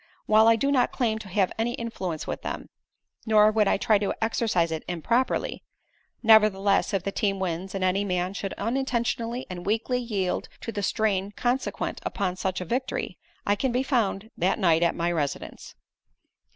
While I do not claim to have any influence with them, nor would I try to exercise it improperly, nevertheless if the team wins and any man should unintentionally and weakly yield to the strain consequent upon such a victory, I can be found that night at my residence.